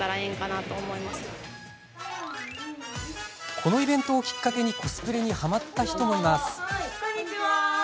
このイベントをきっかけにコスプレにはまった人がいます。